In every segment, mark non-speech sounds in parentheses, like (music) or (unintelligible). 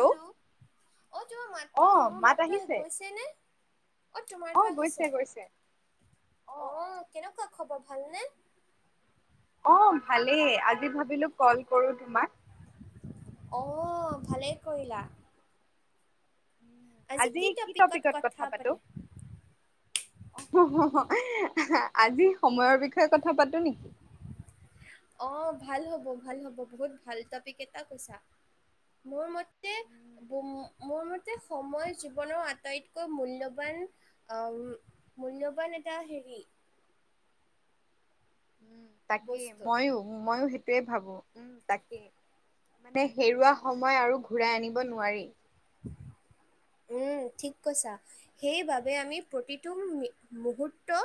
Hello অ তোৰ মাতটো অ' মোৰ মাত মাতটো আহি আহিছে গৈছেনে? অ তোমাৰতো গৈছে আহিছে। গৈছে। অ' কেনেকুৱা খবৰ, ভালনে? অ ভালেই আজি ভাবিলো কল কৰো তোমাক। অ' ভালেই কৰিলা। উম, আজি কি টপিকত কথা পাতো? অহ হ' হ', আজি সময়ৰ বিষয়ে কথা পাতো নেকি? অ, ভাল হ'ব-ভাল হ'ব। বহুত ভাল টপিক এটা কৈছা। মোৰ মত্তে উম, মোৰ মতে সময় জীৱনৰ আটাইতকৈ মূল্যবান অম, মূল্যবান এটা হেৰি তাকে বস্তু মইও মইও সেই টোৱেই ভাবো। উম, তাকেই মানে হেৰুৱা সময় আৰু ঘূৰাই আনিব নোৱাৰি। উম ঠিক কৈছা। সেইবাবে আমি প্ৰতিটো মি মুহুৰ্ত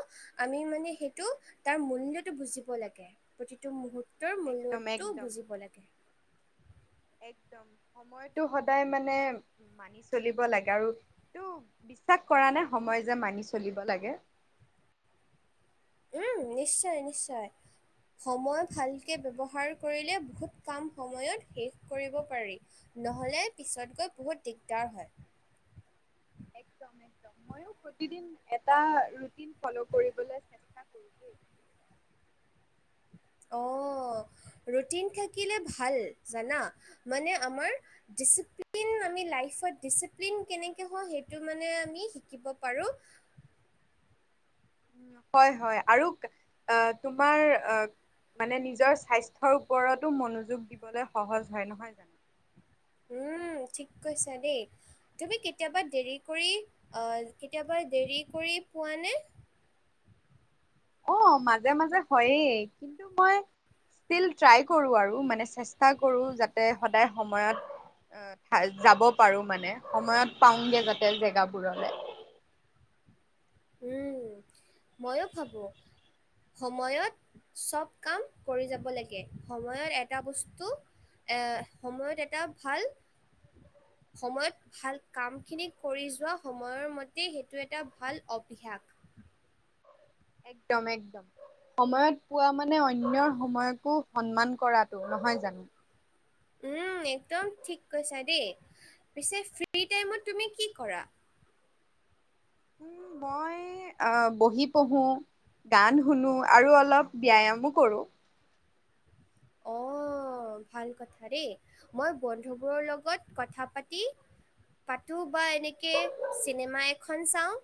আমি মানে সেইটো তাৰ মূল্যটো বুজিব লাগে প্ৰতিটো মূহুৰ্ তৰ একদম মূল্যটো একদম। বুজিব লাগে। একদম সময়টো সদায় মানে মানি চলিব লাগে আৰু এইটো বিশ্বাস কৰা নে সময় যে মানি চলিব লাগে? উম নিশ্চয়-নিশ্চয়। সময় ভালকে ব্যৱহাৰ কৰিলে বহুত কাম সময়ত শেষ কৰিব পাৰি। নহ'লে পিছত গৈ বহুত দিগদাৰ হয়। একদম একদম, ময়ো প্ৰতিদিন এটা ৰুটিন ফ'ল' কৰিবলৈ চেষ্টা কৰো দেই। অ', ৰুটিন থাকিলে ভাল জানা মানে আমাৰ ডিচিপ্লিন আমি লাইফত ডিচিপ্লিন কেনেকে হওঁ সেইটো মানে আমি শিকিব পাৰো। হয়-হয় আৰু অ তোমাৰ অ মানে নিজৰ স্বাস্থ্যৰ ওপৰতো মনোযোগ দিবলৈ সহজ হয় নহয়। উম, ঠিক কৈছা দেই। তুমি কেতিয়াবা দেৰি কৰি অ কেতিয়াবা দেৰি কৰি পোৱানে? অ মাজে মাজে হয়েই কিন্তু মই ষ্টিল ট্ৰাই কৰোঁ আৰু মানে চেষ্টা কৰোঁ যাতে সদায় সময়ত উম ঠাইত যাব পাৰো মানে সময়ত পাওঁগে যাতে জেগাবোৰলে। উম, ময়ো ভাবো। সময়ত চব কাম কৰি যাব লাগে সময়ত এটা বস্তু এহ সময়ত এটা ভাল সময়ত ভাল কাম খিনি কৰি যোৱা সময়ৰ মতে সেইটো এটা ভাল অব অ্যাস। একদম-একদম। সময়ত পোৱা মানে অন্য সময়কো সন্মান কৰাটো, নহয় জানো? উম, একদম ঠিক কৈছা দেই পিছে ফ্ৰী টাইমত তুমি কি কৰা? উম, মই অ' বহি পঢ়ো। গান শুনো আৰু অলপ ব্যায়ামো কৰো। অ', ভাল কথা দেই। মই বন্ধুবোৰৰ লগত কথা পাতি পাতোঁ বা এনেকে চিনেমা এখন চাওঁ।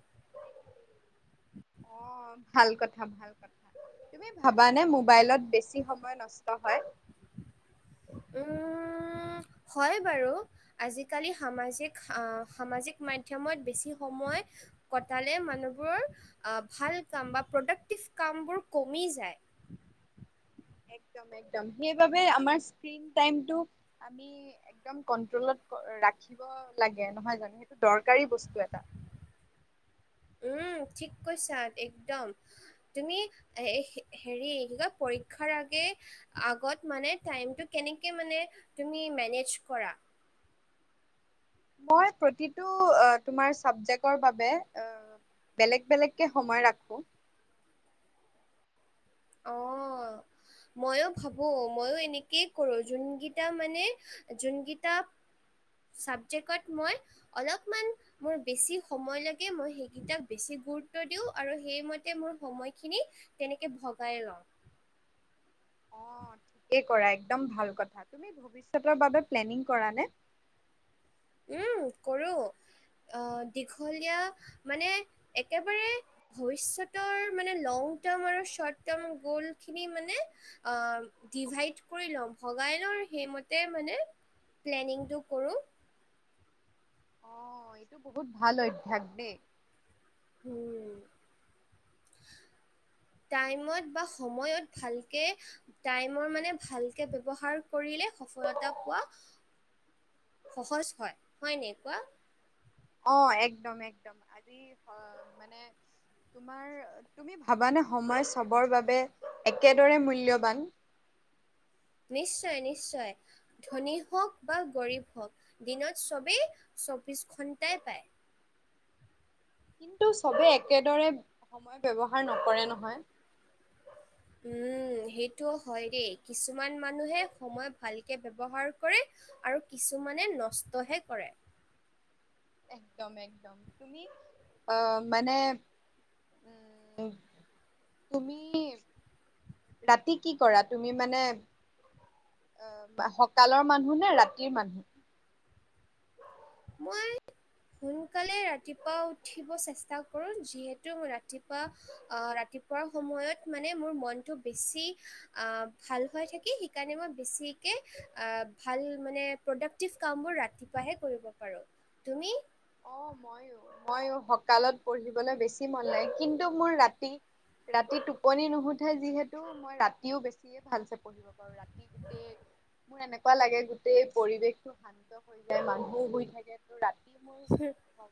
অ', ভাল কথা ভাল কথা তুমি ভাবানে মোবাইলত বেছি সময় নষ্ট হয়। উম, হয় বাৰু। আজিকালি সামাজিক আহ সামাজিক মাধ্যমত বেছি সময় কটালে মানুহবোৰৰ ভাল কাম বা প্ৰতেক্টিভ কামবোৰ কমি যায়। একদম একদম সেইবাবে আমাৰ ফ্ৰী টাইমটো আমি একদম কন্ট্ৰলত ৰাখিব লাগে নহয় জানো সেইটো দৰকাৰী বস্তু এটা উম ঠিক কৈছা একদম তুমি এ হেৰি কি কয় পৰীক্ষাৰ আগে আগত মানে টাইমটো কেনেকে মানে তুমি মেনেজ কৰা। মই প্ৰতিটো তোমাৰ চাবজেক্টৰ বাবে অহ বেলেগ বেলেগকে সময় ৰাখোঁ। অ। মইয়ো ভাবো ময়ো এনেকেই কৰোঁ যোনকেইটা মানে যোনকেইটা ছাবজেক্টত মই অলপমান মোৰ বেছি সময় লাগে মই সেইকেইটাক বেছি গুৰুত্ব দিওঁ আৰু সেইমতে মোৰ সময়খিনি তেনেকে ভগাই লওঁ। অ ঠিকেই কৰা একদম ভাল কথা। তুমি ভৱিষ্যতৰ বাবে প্লেনিং কৰা নে? উম কৰোঁ আহ দীঘলীয়া মানে একেবাৰে ভৱিষ্যতৰ মানে লং টাৰ্ম আৰু শৰ্ট টাৰ্ম গ'লখিনি মানে আহ ডিভাইড কৰি লওঁ ভগাই লওঁ সেইমতে মানে প্লেনিংটো কৰোঁ। অ এইটো বহুত ভাল অভ্যাস দেই। (inaudible) টাইমত বা সময়ত ভালকে টাইমৰ মানে ভালকে ব্যৱহাৰ কৰিলে সফলতা পোৱা সহজ হয়, হয় নে কোৱা? অ একদম একদম আজি অ মানে তোমাৰ তুমি ভাবানে সময় চবৰ বাবে একেদৰে মূল্যৱান। নিশ্চয় নিশ্চয়। ধনী হওক বা গৰীব হওক দিনত চবেই চৌব্বিছ ঘণ্টাই পায়। কিন্তু চবে একেদৰে সময় ব্যৱহাৰ নকৰে নহয়। সেইটো হয় দেই কিছুমান মানুহে সময় ভালকে ব্যৱহাৰ কৰে। আৰু কিছুমানে নষ্টহে কৰে। একদম একদম তুমি আহ মানে উম তুমি ৰাতি কি কৰা তুমি মানে অ সকালৰ মানুহ নে ৰাতিৰ মানুহ। মই সোনকালে ৰাতিপুৱা উঠিব চেষ্টা কৰোঁ যিহেতু মই ৰাতিপুৱা অহ ৰাতিপুৱাৰ সময়ত মানে মোৰ মনটো বেছি আহ ভাল হৈ থাকি সেইকাৰণে মই বেছিকে ভাল মান প্ৰডাকটিভ কামোৰ ৰাতিপুৱাহে কৰিব পাৰো। তুমি? অ মইয়ো মইয়ো সকালত পঢ়িবলৈ বেছি মন নাই। কিন্তু মোৰ ৰাতি ৰাতি টোপনি নুশুঠে যিহেতু মই ৰাতিও বেছিয়ে ভালছে পঢ়িব পাৰো ৰাতি। মোৰ এনেকুৱা লাগে গোটেই পৰিৱেশটো শানি। হৈ যায় মানুহো শুই থাকে ত ৰাতি মোৰ হু।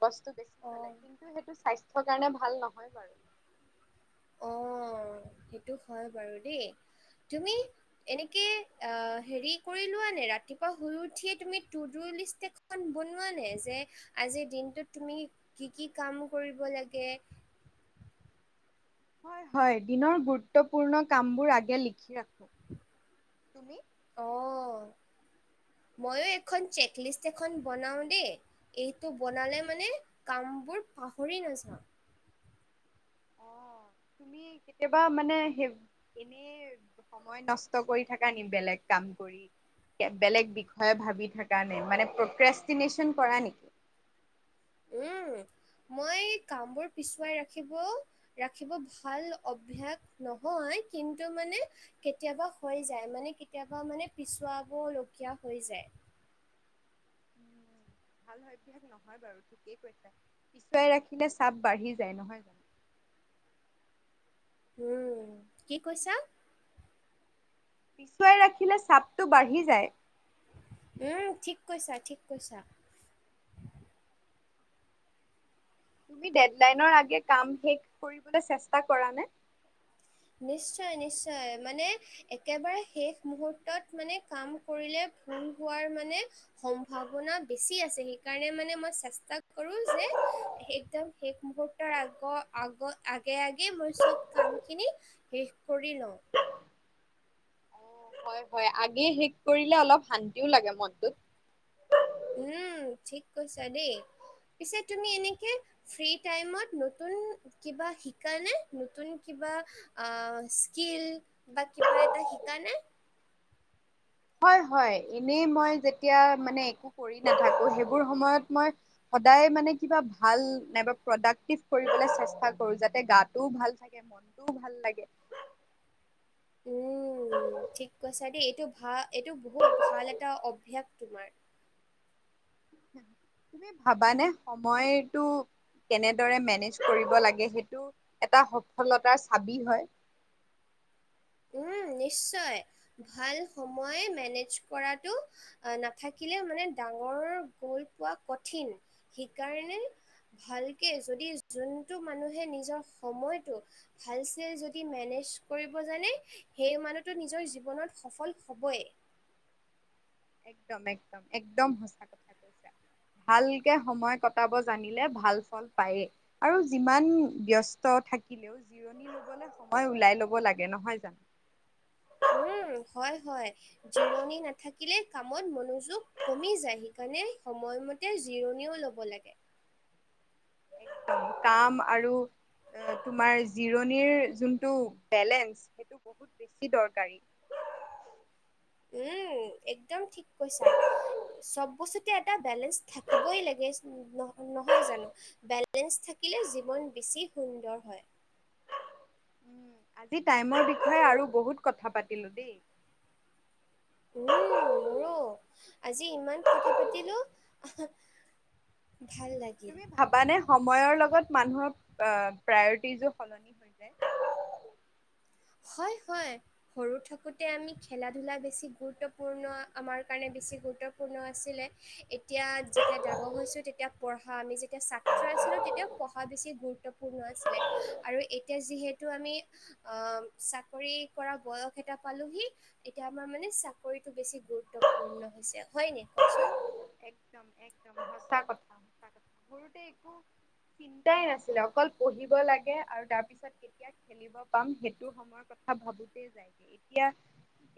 গছটো বেছি চলে কিন্তু সেইটো স্বাস্থ্যৰ কাৰণে ভাল নহয় বাৰু। (inaudible) অঁ সেইটো হয় বাৰু দেই। তুমি? এনেকে আ হেৰি কৰি লোৱা নে ৰাতিপুৱা শুই উঠিয়ে তুমি টু টু লিষ্টকছ বনোৱা নাই যে আজিৰ দিনটোত তুমি কি কি কাম কৰিব লাগে। হয় হয় দিনৰ গুৰুত্বপূৰ্ণ কামবোৰ আগে লিখি ৰাখো তুমি। অহঁ ময়ো এখন চেক লিষ্ট এখন বনাওঁ দেই। এইটো বনালে মানে কামবোৰ পাহৰি নাযাওঁ। অ তুমি কেতিয়াবা মানে সেই এনেই। সময় নষ্ট কৰি থাক নি বেলেগ কাম কৰি। বেলেগ বিষয়ে ভাবি থকা নে মানে প্ৰক্ৰেষ্টিনেচন কৰা নেকি। উম মই কামবোৰ পিছুৱাই ৰাখিব, ৰাখিব ভাল অভ্যাস নহয় কিন্তু মানে। কেতিয়াবা হৈ যায় মানে কেতিয়াবা মানে পিছুৱাব লগীয়া হৈ যায়। ভাল সজ্য নহয় বাৰু ঠিকেই কৈছা। পিছুৱাই ৰাখিলে চাপ বাঢ়ি যায় নহয় জানো। উম কি কৈছা। পিছুৱাই ৰাখিলে চাপটো বাঢ়ি যায়। উম ঠিক কৈছা ঠিক কৈছা। তুমি গাইট লাইন আগে কাম শেষ কৰিবলে চেষ্টা কৰা নে। নিশ্চয় নিশ্চয় মানে। একেবাৰে শেষ মুহুৰ্তত মানে কাম কৰিলে ভুল হোৱাৰ মানে। সম্ভাৱনা বেছি আছে সেইকাৰণে মানে মই চেষ্টা কৰো যে। একদম শেষ মুহূৰ্তৰ আগৰ আগ আগে আগে মই চব কাম খিনি, শেষ কৰি লওঁ। হয় হয় আগে শেষ কৰিলে অলপ শান্তিও লাগে মনটো। উম ঠিক কৈছা দেই পিছে তুমি এনেকে। ফ্ৰী টাইমত নতুন কিবা শিকা নে নতুন কিবা, অ স্কিল বা কিবা এটা শিকা নে? হয় হয় এনেই মই যেতিয়া মানে একো কৰি নাথাকো সেইবোৰ সময়ত মই সদায় মানে কিবা ভাল নাইবা প্ৰডাক্টিভ কৰিবলৈ চেষ্টা কৰো যাতে গাটোও ভাল থাকে। মনটোও ভাল লাগে। উম ঠিক কৈছা দেই এইটো ভা এইটো বহুত ভাল এটা অভ্যায়স তোমাৰ। (inaudible) তুমি ভাবানে সময়তটো কেনেদৰে মেনেজ কৰিব লাগে সেইটো। এটা সফলতাৰ চাবি হয়। উম নিশ্চয় ভাল সময় মেনেজ কৰাটো। আহ নাথাকিলে মানে ডাঙৰ গল পোৱা কঠিন সেইকাৰণে, ভালকে যদি যোনটো মানুহে নিজৰ সময়টো ভাল চেল যদি মেনেজ কৰিব জানে সেই মানুহতো নিজৰ জীৱনত সফল হবই। একদম একদম একদম সঁচা কথা কৈ ভালকে সময় কটাব জানিলে ভাল ফল পায়েই। আৰু যিমান ব্যস্ত থাকিলেও জি লবলে সময় ওলাই লব লাগে নহয় জানো। উম, হয় হয় জিৰণি নাথাকিলে কামত মনোযোগ কমি যায় সেইকাৰণে সময়মতে জিৰণিও ল'ব লাগে। একদম কাম আৰু তোমাৰ জিৰণিৰ যোনটো বেলেঞ্চ সেইটো বহুত বেছি দৰকাৰী। উম একদম ঠিক কৈছা। চব বস্তুতে এটা বেলেঞ্চ থাকিবই লাগে নহয় জানো। বেলেঞ্চ থাকিলে জীৱন বেছি সুন্দৰ হয়। উম, আজি টাইমৰ বিষয়ে আৰু বহুত কথা পাতিলোঁ দেই। উম, মোৰো আজি ইমান কথা পাতিলো ভাল লাগিল। ভবানে সময়ৰ লগত মানুহৰ প্ৰায়ৰিটিযোৰ সলনি হয়। হয় হয়। সৰু থাকোতে আমি খেলা-ধূলা বেছি গুৰুত্বপূৰ্ণ আমাৰ কাৰণে বেছি গুৰুত্ব। পূৰ্ণ আছিলে এতিয়া যেতিয়া ডাঙৰ হৈছোঁ তেতিয়া পঢ়া আমি যেতিয়া চা ছিলো তেতিয়া পঢ়া বেছি গুৰুত্বপূৰ্ণ আছিলে আৰু এতিয়া যিহেতু আমি অ, চাকৰি কৰা বয়স এটা পালেহি। এতিয়া আমাৰ মানে চাকৰিটো বেছি গুৰুত্বপূৰ্ণ হৈছে হয় নাই কোৱাচোন? একদম একদম সঁচা কথা সঁচা কথা সৰুতে একো চিন্তাই নাছিলে অকল পঢ়িব লাগে আৰু তাৰ পিছত কেতিয়া খেলিব পাম সেইটো সময়ৰ কথা ভাবোতে যায় এতিয়া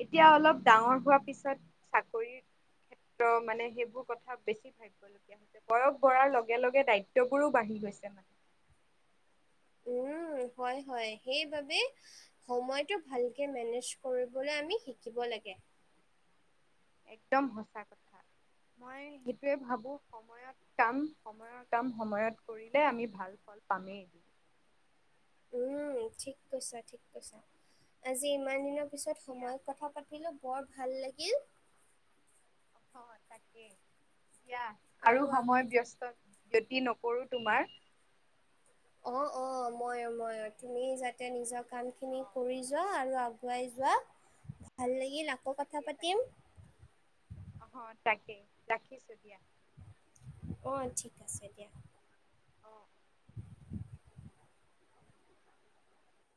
এতিয়া অলপ ডাঙৰ হোৱাৰ পিছত চাকৰি ক্ষেত্ৰ মানে সেই বোৰ কথা বেছি ভাবিব লগীয়া হৈছে বয়স বঢ়াৰ লগে লগে দায়িত্ববোৰো বাঢ়ি গৈছে মানে। উম হয় হয় সেইবাবে সময়টো ভালকে মেনেজ কৰিবলৈ আমি শিকিব লাগে। একদম সঁচা কথা মই সেইটোৱে ভাবোঁ সময় সময়ত কাম সময়ৰ কাম সময়ত কৰিলে আমি ভাল ফল পামেই এদিন। উম, ঠিক কৈছা ঠিক কৈছা। আজি ইমান দিনৰ পিছত দিয়া সময়ত কথা পাতিলো বৰ ভাল লাগিল। হয়, তাকে দিয়া আৰু সময় ব্যস্ত ক্ষতি নকৰো তোমাৰ অঁ, অঁ মই অ মই অ তুমি যাতে নিজৰ কামখিনি অ কৰি যোৱা আৰু আগুৱাই যোৱা ভাল লাগিল আকৌ কথা তাকেই পাতিম। তাকেই অ, তাকেই ৰাখিছো দিয়া। অ, ঠিক আছে দিয়া। অ (unintelligible)